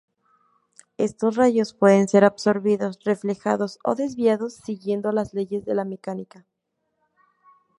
Estos rayos pueden ser absorbidos, reflejados o desviados siguiendo las leyes de la mecánica.